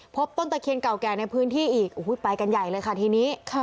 ต้นตะเคียนเก่าแก่ในพื้นที่อีกไปกันใหญ่เลยค่ะทีนี้